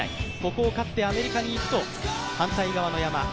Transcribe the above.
ここを勝ってアメリカに行くと反対側の山。